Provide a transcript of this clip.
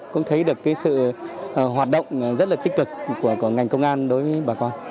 cũng thấy được sự hoạt động rất là tích cực của ngành công an đối với bà con